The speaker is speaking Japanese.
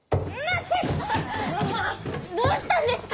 どうしたんですか！